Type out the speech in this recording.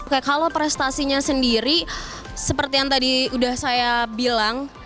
oke kalau prestasinya sendiri seperti yang tadi udah saya bilang